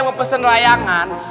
kom unfamiliar dan